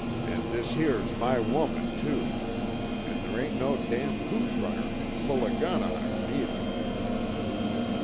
"An' this here's my woman, too. An' there ain't no damn hooch runner kin pull a gun on her, neither!"